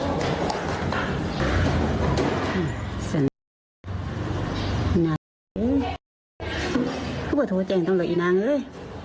อื้มสนน้ำเฮ้ยเพราะว่าโทรแจ้งต้องเลยอีนางเฮ้ย